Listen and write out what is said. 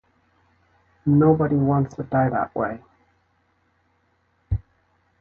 Nobody wants to die that way.